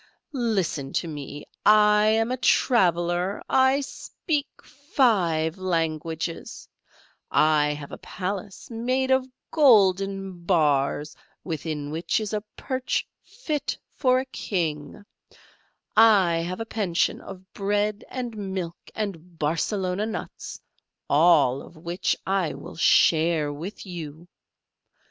Listen to me I am a traveller I speak five languages, I have a palace made of golden bars, within which is a perch fit for a king, I have a pension of bread and milk and Barcelona nuts: all of which I will share with you.